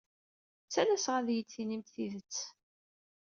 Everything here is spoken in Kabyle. Ttalaseɣ ad iyi-d-tinimt tidet.